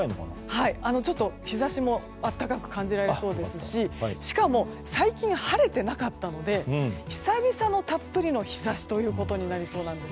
ちょっと日差しも暖かく感じられそうですししかも、最近晴れてなかったので久々のたっぷりの日差しということになりそうなんです。